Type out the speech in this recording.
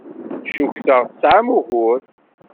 Cukkteɣ tesɛam ugur.